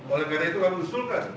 oleh karena itu kami usulkan